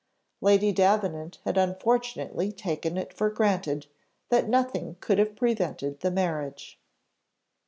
Lady Davenant had unfortunately taken it for granted, that nothing could have prevented the marriage.